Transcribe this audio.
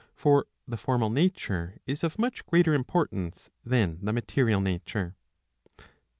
For the formal nature is of much greater importance than the material nature.